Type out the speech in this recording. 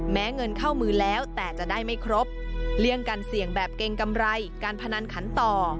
แม้เงินเข้ามือแล้วแต่จะได้ไม่ครบเลี่ยงการเสี่ยงแบบเกรงกำไรการพนันขันต่อ